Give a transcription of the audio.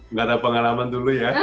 nggak ada pengalaman dulu ya